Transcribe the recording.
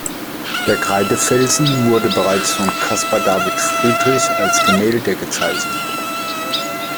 Der Kreidefelsen wurde bereits von Caspar David Friedrich als Gemälde gezeichnet.